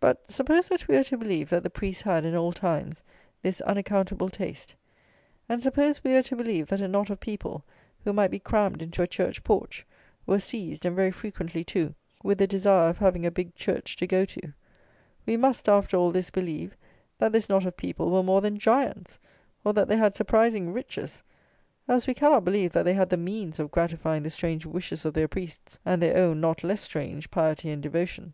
But, suppose that we were to believe that the Priests had, in old times, this unaccountable taste; and suppose we were to believe that a knot of people, who might be crammed into a church porch, were seized, and very frequently too, with the desire of having a big church to go to; we must, after all this, believe that this knot of people were more than giants, or that they had surprising riches, else we cannot believe that they had the means of gratifying the strange wishes of their Priests and their own not less strange piety and devotion.